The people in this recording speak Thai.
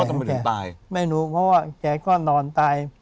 ทำไมถึงตายไม่รู้เพราะว่าแกก็นอนตาย